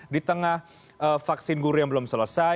di tengah vaksin guru yang belum selesai